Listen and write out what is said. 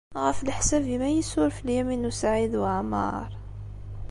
Ɣef leḥsab-im, ad iyi-yessuref Lyamin n Saɛid Waɛmeṛ?